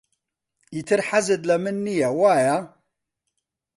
ئیتر حەزت لە من نییە، وایە؟